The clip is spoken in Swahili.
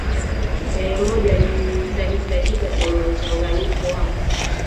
Yai moja litahitajika kwenye mchanganyiko wako